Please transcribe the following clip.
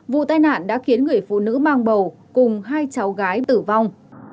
vụ tai nạn đã khiến người phụ nữ mang bầu cùng hai cháu gái tử vong